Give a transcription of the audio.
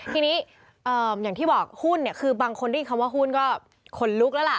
ทีนี้อย่างที่บอกหุ้นเนี่ยคือบางคนได้ยินคำว่าหุ้นก็ขนลุกแล้วล่ะ